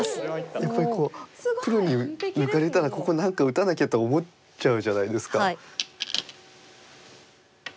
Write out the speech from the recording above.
やっぱりこうプロに抜かれたらここ何か打たなきゃと思っちゃうじゃないですか。